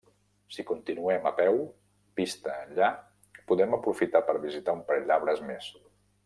Si continuem, a peu, pista enllà, podem aprofitar per visitar un parell d'arbres més.